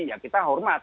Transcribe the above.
ya kita hormat